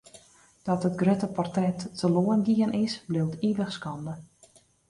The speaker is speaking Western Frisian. Dat it grutte portret teloar gien is, bliuwt ivich skande.